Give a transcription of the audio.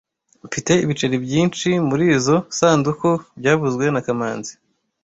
Mfite ibiceri byinshi murizoi sanduku byavuzwe na kamanzi